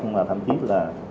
mà thậm chí là